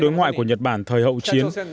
đối ngoại của nhật bản thời hậu chiến